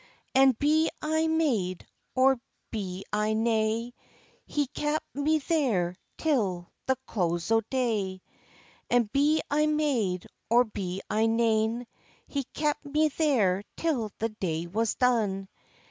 "And be I maid, or be I nae, He kept me there till the close o' day; And be I maid, or be I nane, He kept me there till the day was done.